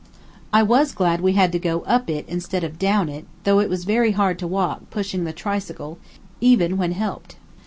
I was glad we had to go up it instead of down it, though it was very hard to walk, pushing the tricycle, even when helped.